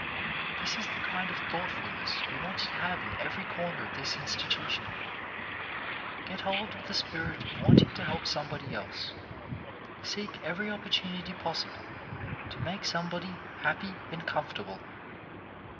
This is the kind of thoughtfulness we want to have in every corner of this institution. Get hold of the spirit of wanting to help somebody else. Seek every opportunity possible to make somebody happy and comfortable.